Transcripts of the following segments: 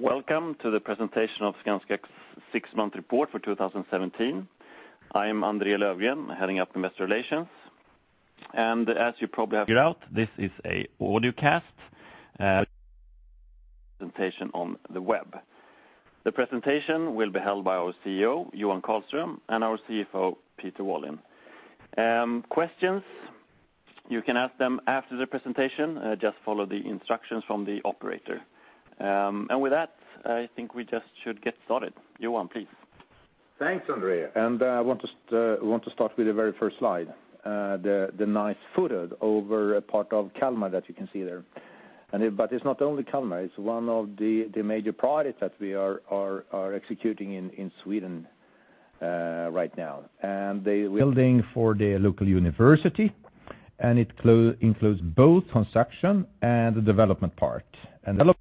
Welcome to the presentation of Skanska's six-month report for 2017. I am André Löfgren, heading up Investor Relations. As you probably have figured out, this is an audio cast, presentation on the web. The presentation will be held by our CEO, Johan Karlström, and our CFO, Peter Wallin. Questions, you can ask them after the presentation, just follow the instructions from the operator. And with that, I think we just should get started. Johan, please. Thanks, André, and I want to start with the very first slide, the nice footage over a part of Kalmar that you can see there. But it's not only Kalmar, it's one of the major projects that we are executing in Sweden right now. And the building for the local university, and it includes both construction and the development part. And the development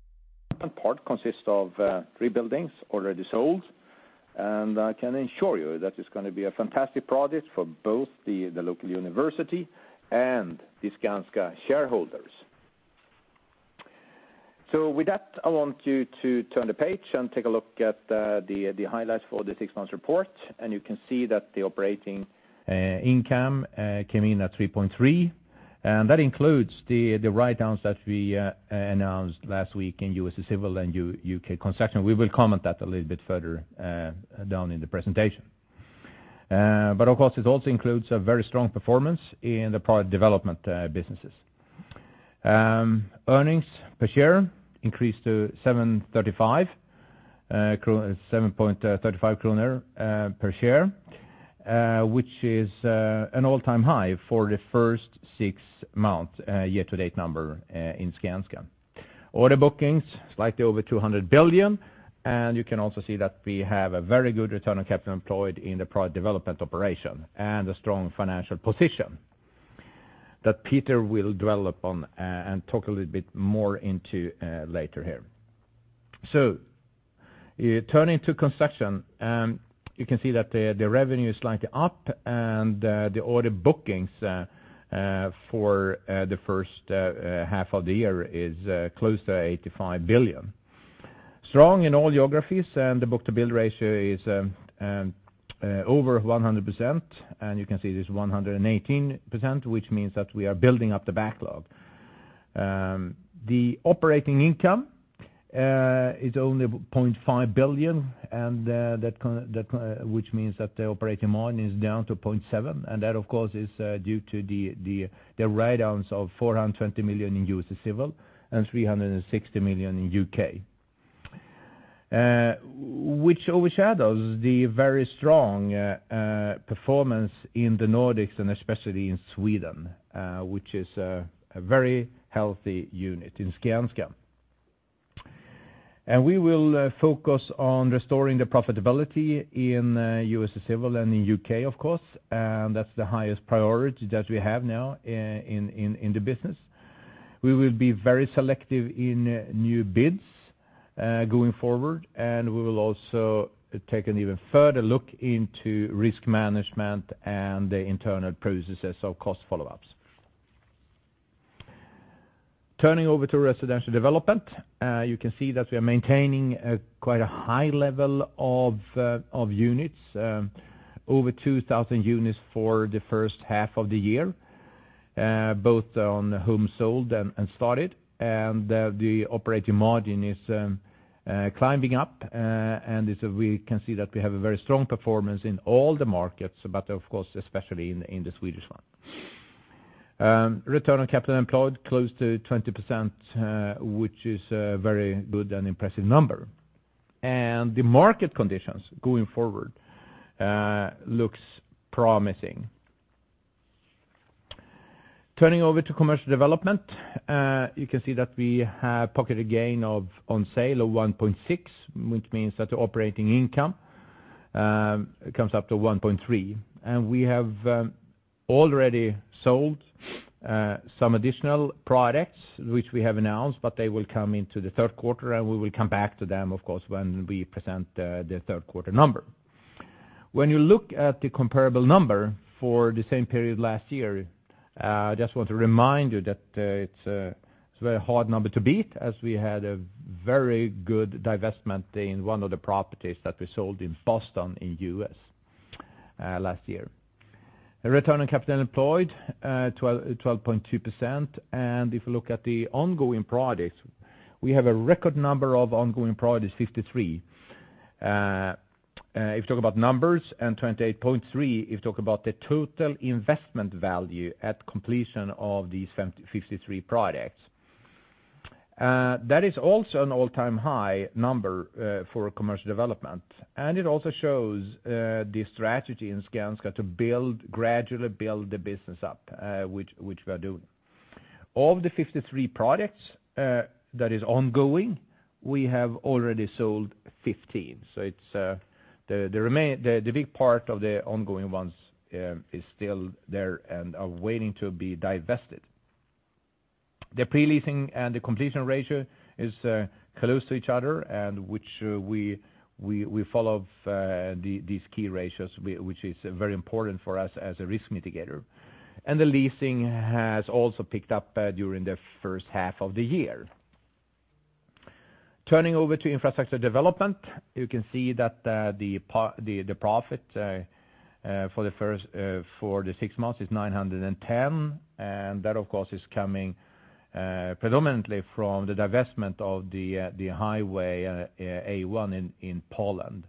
part consists of three buildings already sold, and I can assure you that it's gonna be a fantastic project for both the local university and the Skanska shareholders. So with that, I want you to turn the page and take a look at the highlights for the six months report, and you can see that the operating income came in at 3.3. That includes the write-downs that we announced last week in Skanska U.S.A. Civil and Skanska U.K. Construction. We will comment on that a little bit further down in the presentation. But of course, it also includes a very strong performance in the project development businesses. Earnings per share increased to 7.35 per share, which is an all-time high for the first six months year-to-date number in Skanska. Order bookings, slightly over 200 billion, and you can also see that we have a very good return on capital employed in the project development operation, and a strong financial position that Peter will dwell upon and talk a little bit more into later here. So turning to construction, you can see that the revenue is slightly up, and the order bookings for the first half of the year is close to 85 billion. Strong in all geographies, and the book-to-bill ratio is over 100%, and you can see it is 118%, which means that we are building up the backlog. The operating income is only 0.5 billion, and that, which means that the operating margin is down to 0.7%, and that, of course, is due to the write-downs of 420 million in Skanska U.S.A. Civil and 360 million in U.K. Which overshadows the very strong performance in the Nordics, and especially in Sweden, which is a very healthy unit in Skanska. And we will focus on restoring the profitability in U.S.A. Civil and in U.K., of course, and that's the highest priority that we have now in the business. We will be very selective in new bids going forward, and we will also take an even further look into risk management and the internal processes of cost follow-ups. Turning over to residential development, you can see that we are maintaining a quite high level of units, over 2,000 units for the first half of the year, both on homes sold and started. The operating margin is climbing up, and as we can see that we have a very strong performance in all the markets, but of course, especially in the Swedish one. Return on capital employed close to 20%, which is a very good and impressive number. The market conditions going forward looks promising. Turning over to commercial development, you can see that we have pocketed gain of on sale of 1.6, which means that the operating income comes up to 1.3. And we have already sold some additional projects, which we have announced, but they will come into the third quarter, and we will come back to them, of course, when we present the third quarter number. When you look at the comparable number for the same period last year, I just want to remind you that it's a very hard number to beat, as we had a very good divestment in one of the properties that we sold in Boston, in the U.S., last year. The return on capital employed, 12.2%. If you look at the ongoing projects, we have a record number of ongoing projects, 53. If you talk about numbers, and 28.3 billion, if you talk about the total investment value at completion of these 53 projects. That is also an all-time high number for commercial property development, and it also shows the strategy in Skanska to gradually build the business up, which we are doing. Of the 53 projects that is ongoing, we have already sold 15, so it's the remaining, the big part of the ongoing ones is still there and are waiting to be divested. The pre-leasing and the completion ratio is close to each other, and which we follow these key ratios, which is very important for us as a risk mitigator. And the leasing has also picked up during the first half of the year. Turning over to infrastructure development, you can see that the profit for the six months is 910, and that, of course, is coming predominantly from the divestment of the highway A1 in Poland,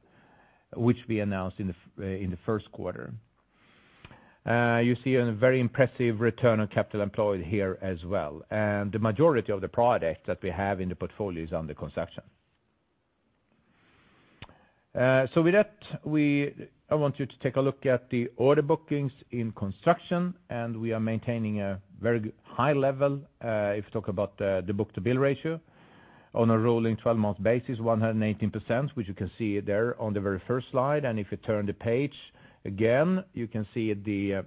which we announced in the first quarter. You see a very impressive return on capital employed here as well, and the majority of the product that we have in the portfolio is under construction. So with that, I want you to take a look at the order bookings in construction, and we are maintaining a very high level, if you talk about the book-to-bill ratio. On a rolling 12-month basis, 118%, which you can see there on the very first slide, and if you turn the page, again, you can see the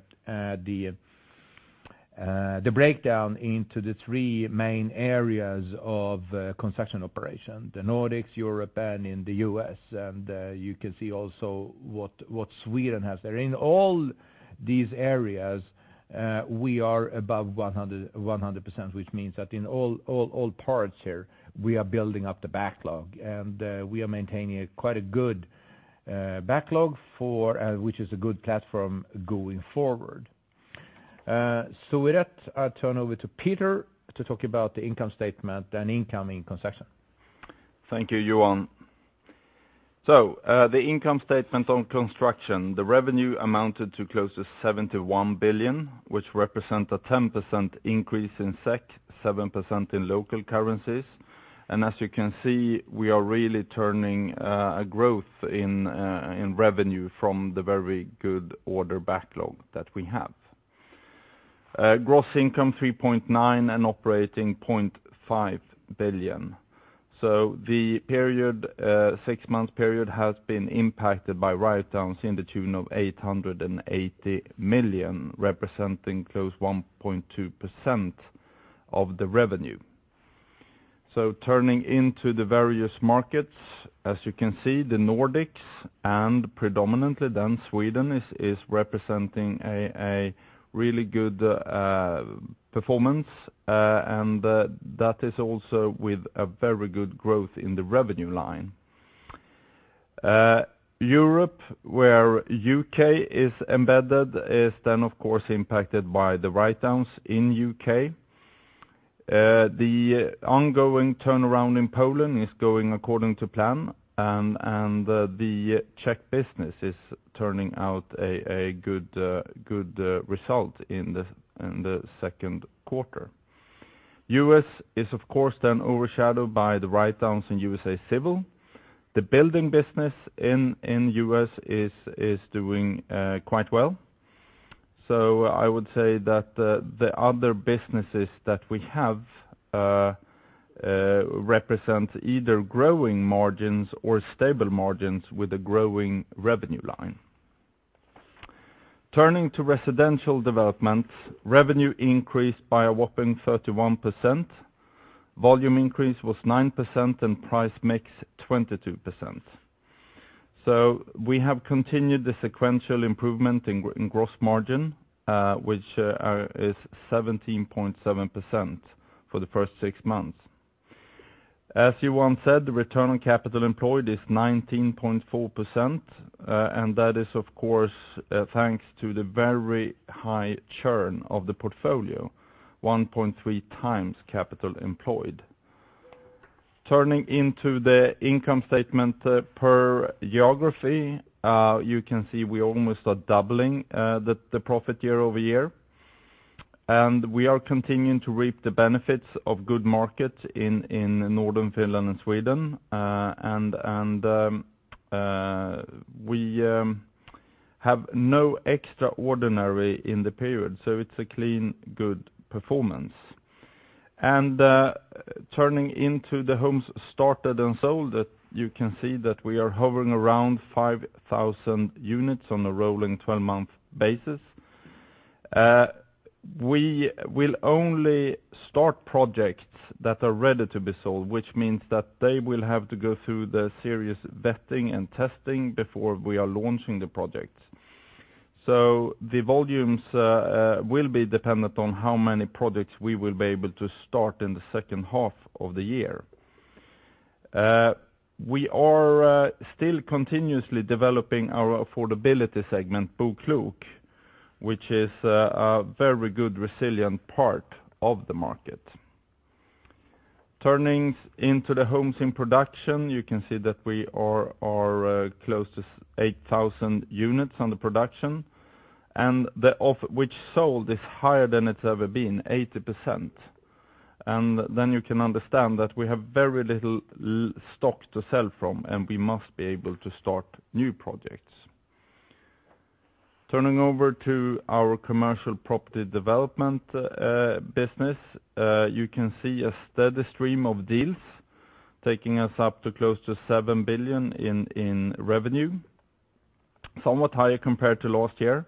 breakdown into the three main areas of construction operation, the Nordics, Europe, and in the U.S., and you can see also what Sweden has there. In all these areas, we are above 100%, 100%, which means that in all parts here, we are building up the backlog, and we are maintaining quite a good backlog, which is a good platform going forward. So with that, I'll turn over to Peter to talk about the income statement and income in construction. Thank you, Johan. So, the income statement on construction, the revenue amounted to close to 71 billion, which represent a 10% increase in SEK, 7% in local currencies. And as you can see, we are really turning a growth in revenue from the very good order backlog that we have. Gross income 3.9 billion and operating 0.5 billion. So the period, six-month period has been impacted by write-downs in the tune of 880 million, representing close to 1.2% of the revenue. So turning into the various markets, as you can see, the Nordics, and predominantly then Sweden, is representing a really good performance, and that is also with a very good growth in the revenue line. Europe, where U.K. is embedded, is then, of course, impacted by the write-downs in U.K. The ongoing turnaround in Poland is going according to plan, and the Czech business is turning out a good result in the second quarter. U.S. is, of course, then overshadowed by the write-downs in U.S.A. Civil. The building business in U.S. is doing quite well. So I would say that the other businesses that we have represent either growing margins or stable margins with a growing revenue line. Turning to residential development, revenue increased by a whopping 31%, volume increase was 9%, and price mix, 22%. So we have continued the sequential improvement in gross margin, which is 17.7% for the first six months. As Johan said, the return on capital employed is 19.4%, and that is, of course, thanks to the very high churn of the portfolio, 1.3x capital employed. Turning into the income statement per geography, you can see we almost are doubling the profit year-over-year. And we are continuing to reap the benefits of good market in northern Finland and Sweden, and we have no extraordinary in the period, so it's a clean, good performance. And turning into the homes started and sold, you can see that we are hovering around 5,000 units on a rolling 12-month basis. We will only start projects that are ready to be sold, which means that they will have to go through the serious vetting and testing before we are launching the projects. So the volumes will be dependent on how many projects we will be able to start in the second half of the year. We are still continuously developing our affordability segment, BoKlok, which is a very good, resilient part of the market. Turning to the homes in production, you can see that we are close to 8,000 units in production, and the off-plan sold is higher than it's ever been, 80%. And then you can understand that we have very little left stock to sell from, and we must be able to start new projects. Turning over to our commercial property development business, you can see a steady stream of deals taking us up to close to 7 billion in revenue, somewhat higher compared to last year.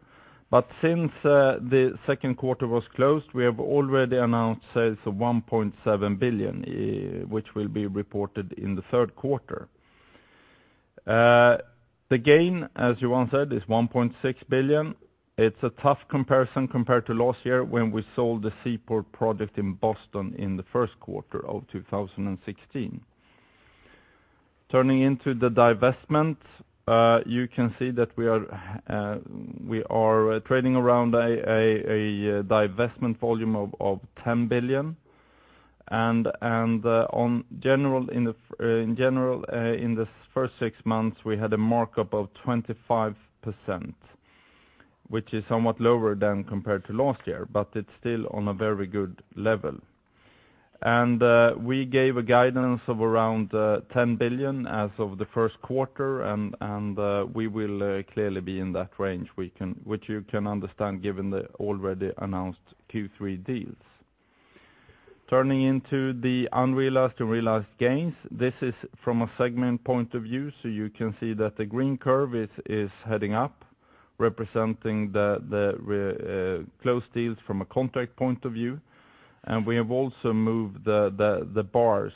But since the second quarter was closed, we have already announced sales of 1.7 billion, which will be reported in the third quarter. The gain, as Johan said, is 1.6 billion. It's a tough comparison compared to last year, when we sold the Seaport project in Boston in the first quarter of 2016. Turning into the divestment, you can see that we are trading around a divestment volume of 10 billion. In general, in the first six months, we had a markup of 25%, which is somewhat lower than compared to last year, but it's still on a very good level. We gave a guidance of around 10 billion as of the first quarter, and we will clearly be in that range. We can—which you can understand, given the already announced Q3 deals. Turning into the unrealized to realized gains, this is from a segment point of view, so you can see that the green curve is heading up, representing the close deals from a contract point of view. And we have also moved the bars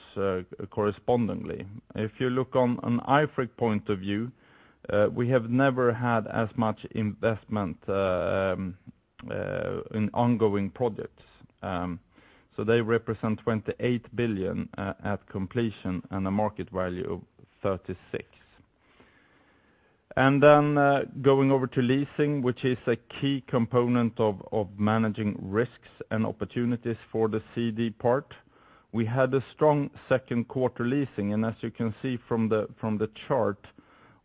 correspondingly. If you look on an IFRIC point of view, we have never had as much investment in ongoing projects. So they represent 28 billion at completion and a market value of 36 billion. And then, going over to leasing, which is a key component of managing risks and opportunities for the CD part. We had a strong second quarter leasing, and as you can see from the chart,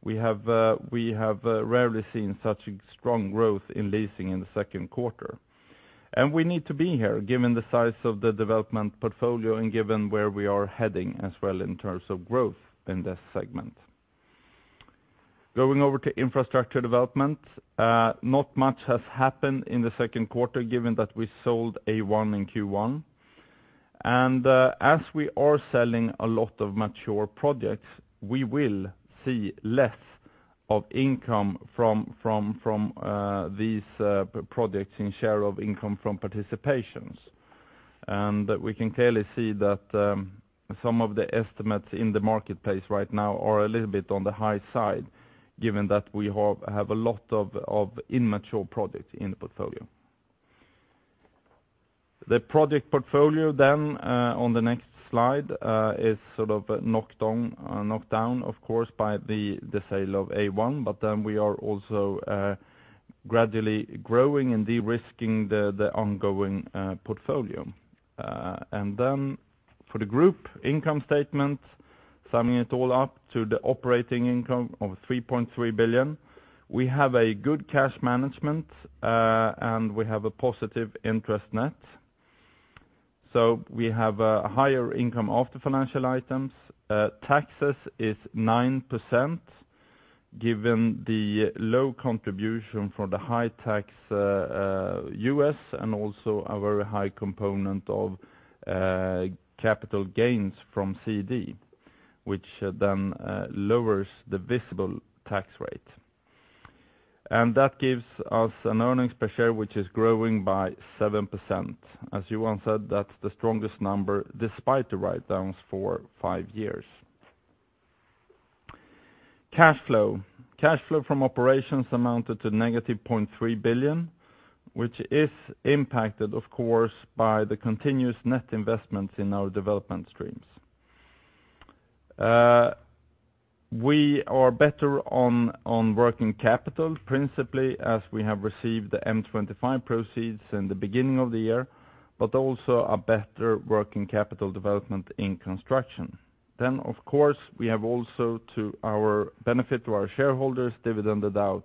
we have rarely seen such a strong growth in leasing in the second quarter. And we need to be here, given the size of the development portfolio and given where we are heading as well in terms of growth in this segment. Going over to infrastructure development, not much has happened in the second quarter, given that we sold A1 in Q1. As we are selling a lot of mature projects, we will see less income from these projects in share of income from participations. We can clearly see that some of the estimates in the marketplace right now are a little bit on the high side, given that we have a lot of immature projects in the portfolio. The project portfolio then is sort of knocked down, of course, by the sale of A1, but then we are also gradually growing and de-risking the ongoing portfolio. And then for the group income statement, summing it all up to the operating income of 3.3 billion, we have a good cash management and we have a positive interest net. We have a higher income after financial items. Taxes is 9%, given the low contribution from the high tax U.S., and also a very high component of capital gains from CD, which then lowers the visible tax rate. And that gives us an earnings per share, which is growing by 7%. As Johan said, that's the strongest number, despite the write-downs for five years. Cash flow. Cash flow from operations amounted to -0.3 billion, which is impacted, of course, by the continuous net investments in our development streams. We are better on working capital, principally as we have received the M25 proceeds in the beginning of the year, but also a better working capital development in construction. Then, of course, we have also, to our benefit to our shareholders, dividended out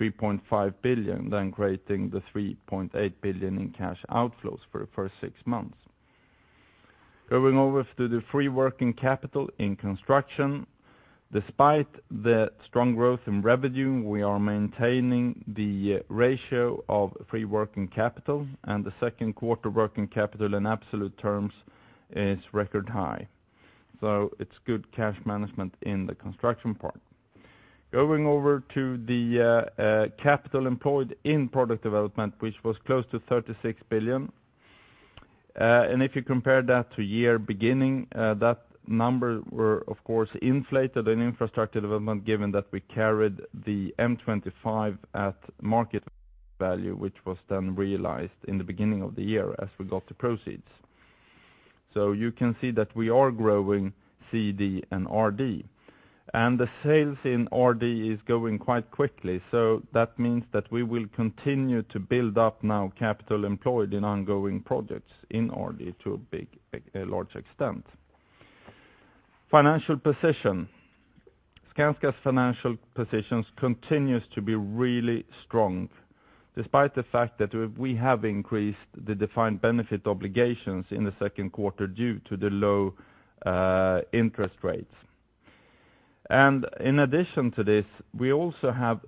3.5 billion, then creating the 3.8 billion in cash outflows for the first six months. Going over to the free working capital in construction. Despite the strong growth in revenue, we are maintaining the ratio of free working capital, and the second quarter working capital in absolute terms is record high. So it's good cash management in the construction part. Going over to the capital employed in property development, which was close to 36 billion. And if you compare that to year beginning, that number were, of course, inflated in infrastructure development, given that we carried the M25 at market value, which was then realized in the beginning of the year as we got the proceeds. So you can see that we are growing CD and RD. The sales in RD are going quite quickly, so that means that we will continue to build up capital employed in ongoing projects in RD to a large extent. Financial position. Skanska's financial position continues to be really strong, despite the fact that we have increased the defined benefit obligations in the second quarter due to the low interest rates. In addition to this, we also have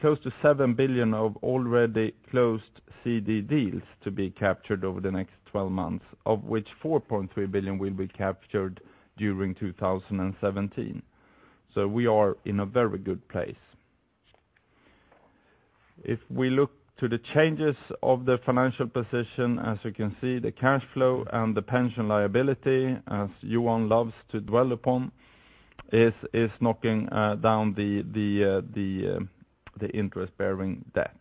close to 7 billion of already closed CD deals to be captured over the next 12 months, of which 4.3 billion will be captured during 2017. So we are in a very good place. If we look to the changes of the financial position, as you can see, the cash flow and the pension liability, as Johan loves to dwell upon, is knocking down the interest-bearing debt.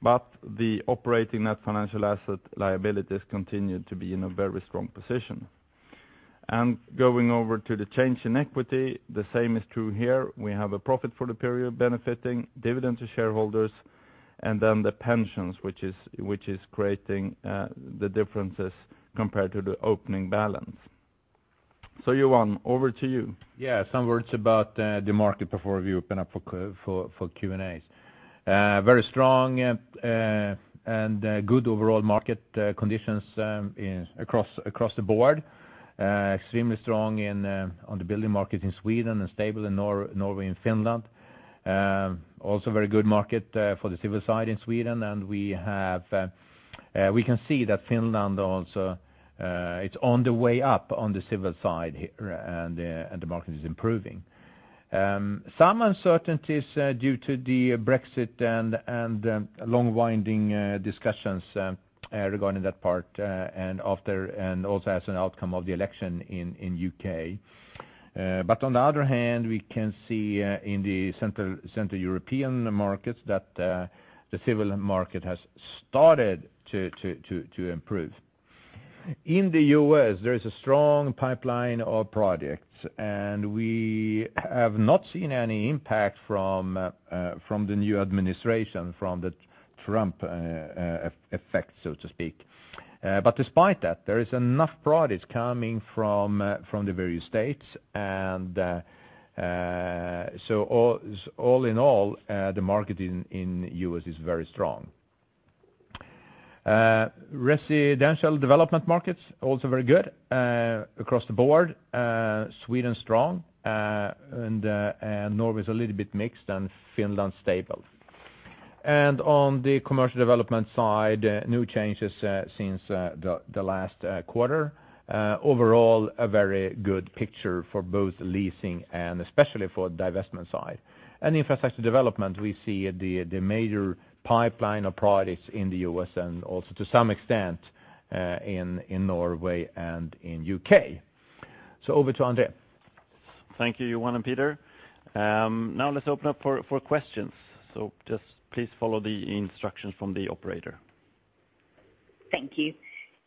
But the operating net financial asset liabilities continue to be in a very strong position. And going over to the change in equity, the same is true here. We have a profit for the period benefiting dividend to shareholders, and then the pensions, which is creating the differences compared to the opening balance. So Johan, over to you. Yeah, some words about the market before we open up for Q&A. Very strong and good overall market conditions across the board. Extremely strong in on the building market in Sweden, and stable in Norway and Finland. Also very good market for the civil side in Sweden, and we can see that Finland also it's on the way up on the civil side and the market is improving. Some uncertainties due to the Brexit and long winding discussions regarding that part and after and also as an outcome of the election in U.K. But on the other hand, we can see in the Central European markets that the civil market has started to improve. In the U.S., there is a strong pipeline of projects, and we have not seen any impact from the new administration, from the Trump effect, so to speak. But despite that, there is enough projects coming from the various states, and so all in all, the market in U.S. is very strong. Residential development markets, also very good, across the board. Sweden, strong, and Norway's a little bit mixed, and Finland, stable. And on the commercial development side, no changes since the last quarter. Overall, a very good picture for both leasing and especially for the divestment side. Infrastructure development, we see the major pipeline of projects in the U.S. and also to some extent in Norway and in the U.K. So over to André. Thank you, Johan and Peter. Now let's open up for questions. So just please follow the instructions from the operator. Thank you.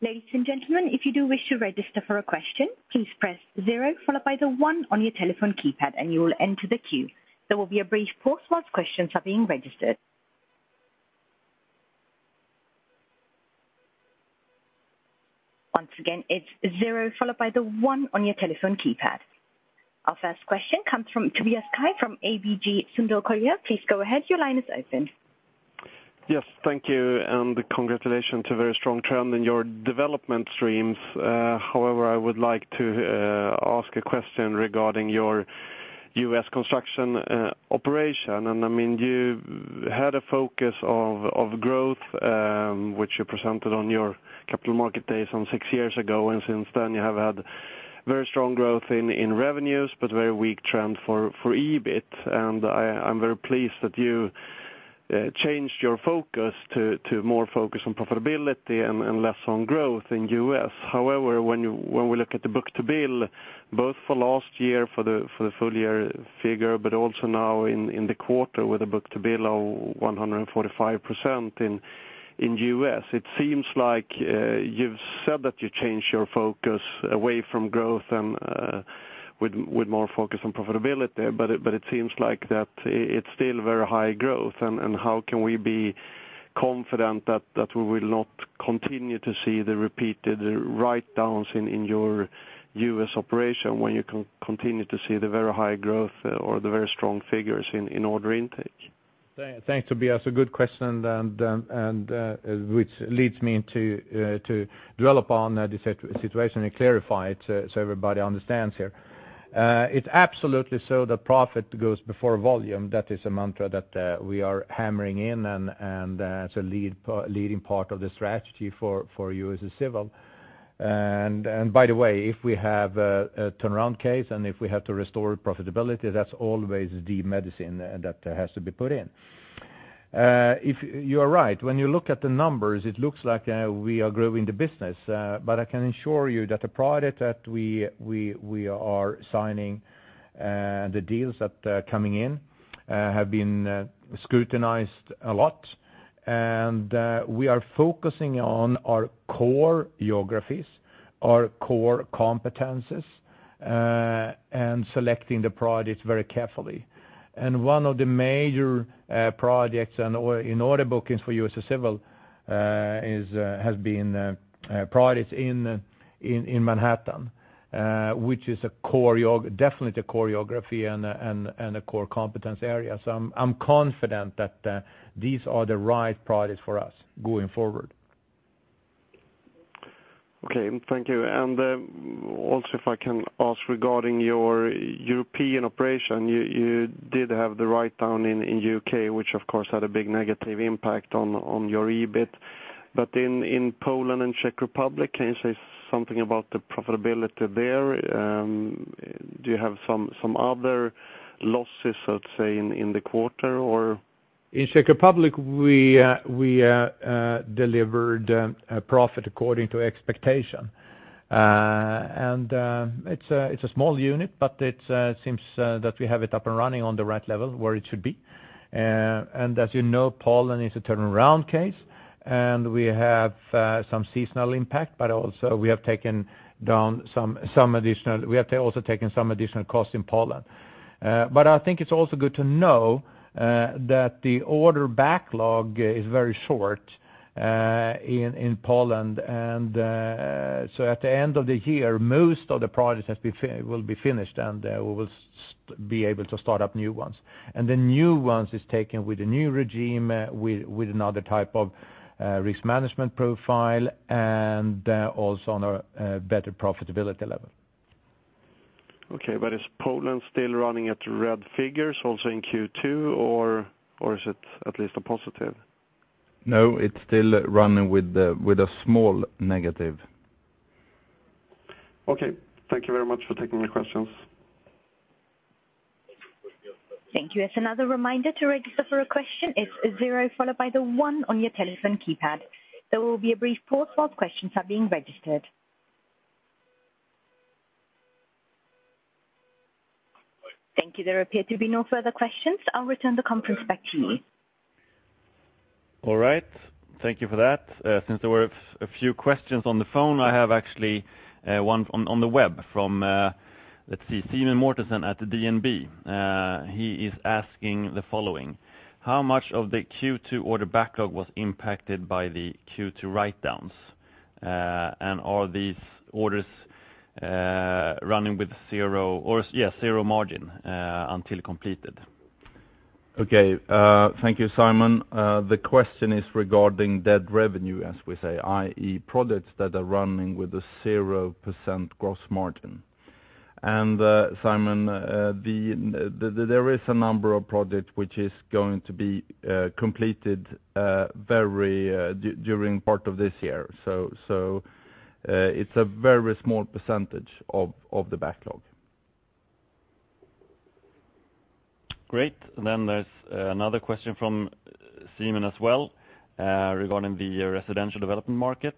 Ladies and gentlemen, if you do wish to register for a question, please press zero, followed by the one on your telephone keypad, and you will enter the queue. There will be a brief pause whilst questions are being registered. Once again, it's zero, followed by the one on your telephone keypad. Our first question comes from Tobias Kaj from ABG Sundal Collier. Please go ahead. Your line is open. Yes, thank you, and congratulations, a very strong trend in your development streams. However, I would like to ask a question regarding your U.S. construction operation. I mean, you had a focus of growth, which you presented on your capital market days some six years ago, and since then, you have had very strong growth in revenues, but very weak trend for EBIT. I'm very pleased that you changed your focus to more focus on profitability and less on growth in U.S. However, when we look at the book-to-bill, both for last year, for the full year figure, but also now in the quarter with a book-to-bill of 145% in U.S., it seems like you've said that you changed your focus away from growth and with more focus on profitability, but it seems like that it's still very high growth. And how can we be confident that we will not continue to see the repeated write-downs in your U.S. operation when you continue to see the very high growth or the very strong figures in order intake? Thanks, Tobias. A good question, and, and, which leads me to, to dwell upon the situation and clarify it so, so everybody understands here. It's absolutely so that profit goes before volume. That is a mantra that, we are hammering in and, and, it's a leading part of the strategy for, for U.S. and Civil. And, and by the way, if we have a turnaround case, and if we have to restore profitability, that's always the medicine that has to be put in. If you are right, when you look at the numbers, it looks like, we are growing the business, but I can assure you that the product that we are signing, the deals that are coming in, have been scrutinized a lot. We are focusing on our core geographies, our core competencies, and selecting the projects very carefully. One of the major projects and or in order bookings for U.S.A. Civil is has been projects in Manhattan, which is a core definitely the core geography and a core competence area. So I'm confident that these are the right products for us going forward. Okay. Thank you. And, also, if I can ask regarding your European operation, you did have the write-down in U.K., which of course, had a big negative impact on your EBIT... But in Poland and Czech Republic, can you say something about the profitability there? Do you have some other losses, let's say, in the quarter or? In Czech Republic, we delivered a profit according to expectation. And it's a small unit, but it seems that we have it up and running on the right level where it should be. And as you know, Poland is a turnaround case, and we have some seasonal impact, but also we have also taken some additional costs in Poland. But I think it's also good to know that the order backlog is very short in Poland, and so at the end of the year, most of the projects will be finished, and we will be able to start up new ones. The new ones is taken with a new regime, with another type of risk management profile, and also on a better profitability level. Okay, but is Poland still running at red figures also in Q2, or, or is it at least a positive? No, it's still running with a small negative. Okay. Thank you very much for taking the questions. Thank you. As another reminder, to register for a question, it's a zero followed by the one on your telephone keypad. There will be a brief pause while questions are being registered. Thank you. There appear to be no further questions. I'll return the conference back to you. All right. Thank you for that. Since there were a few questions on the phone, I have actually one on the web from Simen Mortensen at DNB. He is asking the following: How much of the Q2 order backlog was impacted by the Q2 write-downs? And are these orders running with zero margin until completed? Okay, thank you, Simen. The question is regarding dead revenue, as we say, i.e., products that are running with a 0% gross margin. Simen, there is a number of products which is going to be completed very during part of this year. So, it's a very small percentage of the backlog. Great. Then there's another question from Simen as well, regarding the residential development market.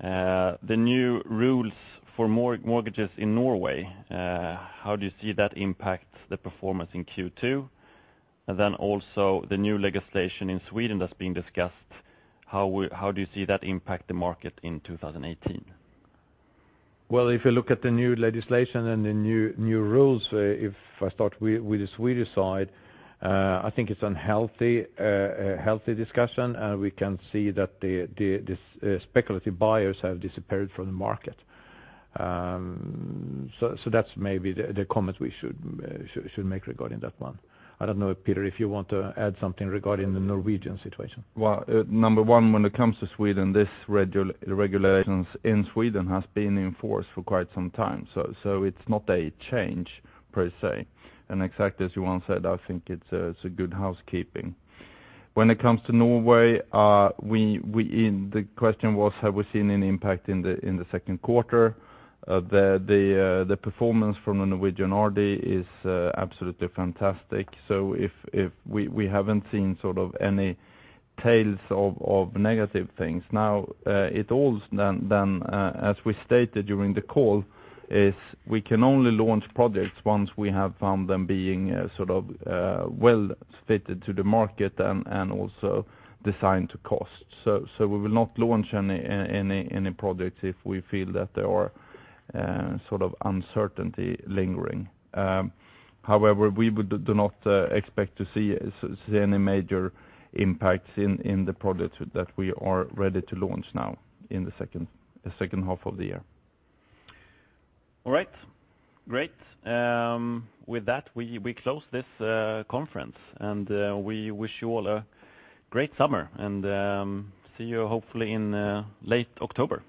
The new rules for mortgages in Norway, how do you see that impact the performance in Q2? And then also the new legislation in Sweden that's being discussed, how do you see that impact the market in 2018? Well, if you look at the new legislation and the new rules, if I start with the Swedish side, I think it's a healthy discussion, and we can see that the speculative buyers have disappeared from the market. So that's maybe the comment we should make regarding that one. I don't know, Peter, if you want to add something regarding the Norwegian situation. Well, number one, when it comes to Sweden, this regulations in Sweden has been in force for quite some time, so, so it's not a change, per se. And exactly as Johan said, I think it's a, it's a good housekeeping. When it comes to Norway, the question was, have we seen any impact in the second quarter? The performance from the Norwegian RD is absolutely fantastic. So we haven't seen sort of any tails of negative things. Now, it all then, as we stated during the call, is we can only launch projects once we have found them being sort of well fitted to the market and also designed to cost. So we will not launch any projects if we feel that there are sort of uncertainty lingering. However, we do not expect to see any major impacts in the products that we are ready to launch now in the second half of the year. All right. Great. With that, we close this conference, and we wish you all a great summer, and see you hopefully in late October.